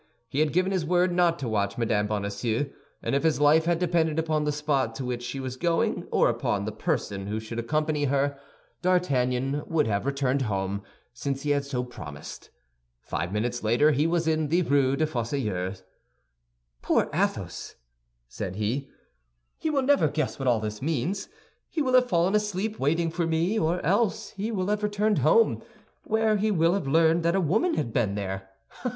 He had given his word not to watch Mme. Bonacieux, and if his life had depended upon the spot to which she was going or upon the person who should accompany her, D'Artagnan would have returned home, since he had so promised. Five minutes later he was in the Rue des Fossoyeurs. "Poor Athos!" said he; "he will never guess what all this means. He will have fallen asleep waiting for me, or else he will have returned home, where he will have learned that a woman had been there.